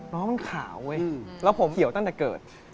น้องมันขาวเว้ยแล้วผมเขียวตั้งแต่เกิด